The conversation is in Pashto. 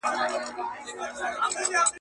ملیار چي په لوی لاس ورکړي زاغانو ته بلني